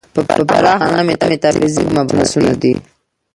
په پراخه معنا میتافیزیک مبحثونه دي.